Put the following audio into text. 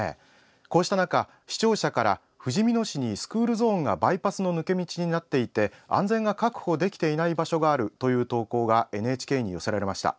こうした中、視聴者からふじみ野市にスクールゾーンがバイパスの抜け道になっていて安全が確保できていない場所があるという投稿がＮＨＫに寄せられました。